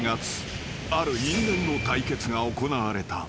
［ある因縁の対決が行われた］